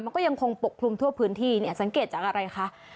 มันก็ยังคงปกคลุมทั่วพื้นที่เนี่ยสังเกตจากอะไรคะ